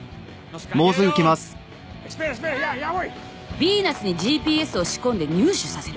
ビーナスにＧＰＳを仕込んで入手させる。